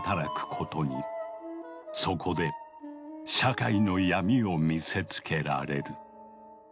そこで社会の闇を見せつけられる。